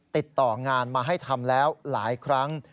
ติดต่องานมาให้ทำแล้วหลายครั้ง